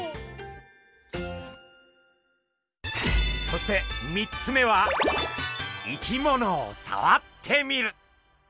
そして３つ目は生き物を触ってみる。